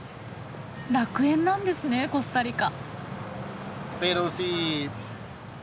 楽園なんですねコスタリカ。